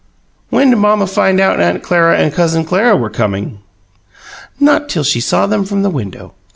"When'd mamma find out Aunt Clara and Cousin Clara were coming?" "Not till she saw them from the window.